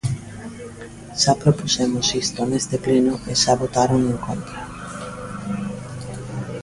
Xa propuxemos isto neste pleno e xa votaron en contra.